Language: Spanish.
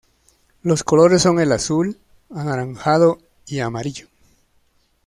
Los colores son el azul, anaranjado y amarillo.